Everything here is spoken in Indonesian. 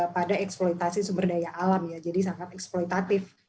pada eksploitasi sumber daya alam ya jadi sangat eksploitatif